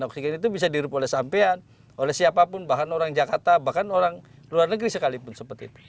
oksigen itu bisa dihirup oleh sampean oleh siapapun bahkan orang jakarta bahkan orang luar negeri sekalipun seperti itu